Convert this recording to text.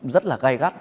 rất là gai gắt